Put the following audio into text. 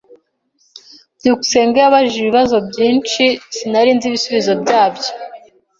byukusenge yabajije ibibazo byinshi sinari nzi ibisubizo byabyo.